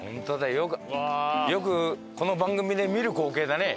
よくよくこの番組で見る光景だね。